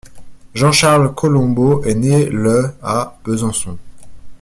Jean Charles Colombot est né le à Besançon.